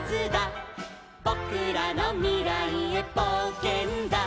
「ぼくらのみらいへぼうけんだ」